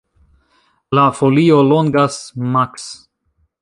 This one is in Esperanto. La folio longas maks.